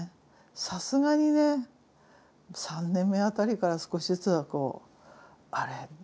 さすがにね３年目辺りから少しずつあれ？